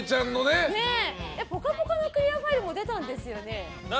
「ぽかぽか」のクリアファイルも出たんですよね。